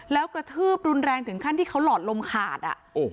แล้วกระทืบรุนแรงถึงขั้นที่เขาหลอดลมขาด